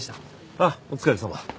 ああお疲れさま。